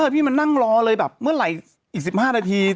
พี่มานั่งรอเลยแบบเมื่อไหร่อีก๑๕นาที